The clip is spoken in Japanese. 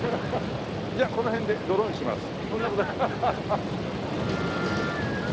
じゃあこの辺で「ドロン」します。